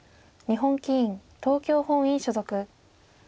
日本棋院東京本院所属。